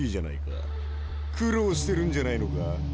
苦労してるんじゃないのか？